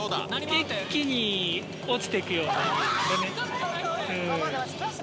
一気に落ちてくような感じですかね。